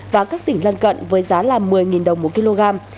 và các tỉnh lân cận với giá là một mươi đồng một kg